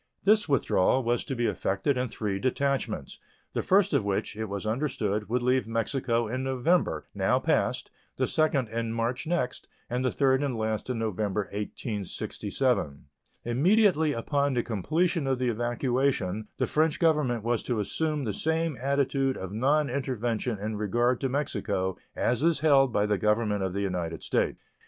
This withdrawal was to be effected in three detachments, the first of which, it was understood, would leave Mexico in November, now past, the second in March next, and the third and last in November, 1867. Immediately upon the completion of the evacuation the French Government was to assume the same attitude of nonintervention in regard to Mexico as is held by the Government of the United States.